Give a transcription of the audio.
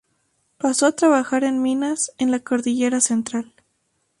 Pasó a trabajar en minas en la Cordillera central.